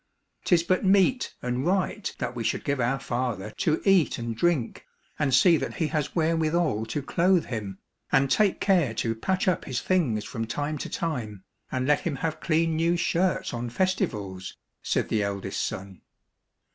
" 'Tis but meet and right that we should give our father to eat and drink, and see that he has wherewithal to clothe him, and take care to patch up his things from time to time, and let him have clean new shirts on festivals," said the eldest son.